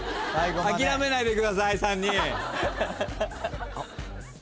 諦めないでください３人。